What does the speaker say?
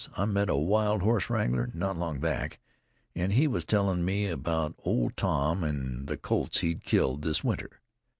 I met a wild horse wrangler not long back, an' he was tellin' me about Old Tom an' the colts he'd killed this winter."